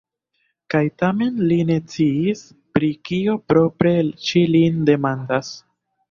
Kaj tamen li ne sciis, pri kio propre ŝi lin demandas.